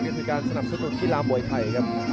ก็คือการสนับสนุนกีฬามวยไทยครับ